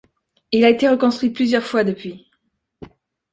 Il a été reconstruit plusieurs fois depuis.